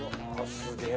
すげえ！